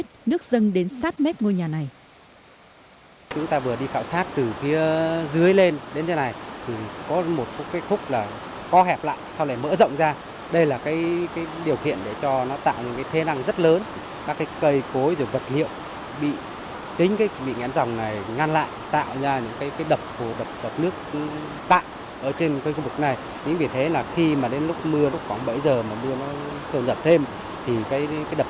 trời siết nước dâng đến sát mép ngôi nhà này